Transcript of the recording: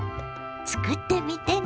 作ってみてね。